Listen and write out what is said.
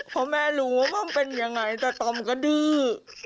เพราะแม่รู้ว่ามันเป็นยังไงแต่ตอมก็ดื้อ